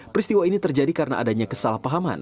peristiwa ini terjadi karena adanya kesalahpahaman